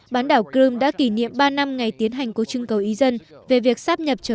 bán đảo crimea đã kỷ niệm ba năm ngày tiến hành cuộc trưng cầu ý dân về việc sắp nhập trở